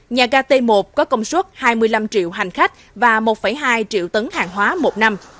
nhà ga t một có công suất hai mươi năm triệu hành khách và một hai triệu tấn hàng hóa một năm